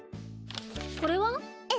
これは？え？